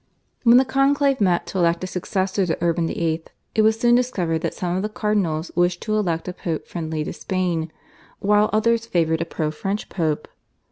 When the conclave met to elect a successor to Urban VIII. it was soon discovered that some of the cardinals wished to elect a Pope friendly to Spain, wile others favoured a pro French Pope.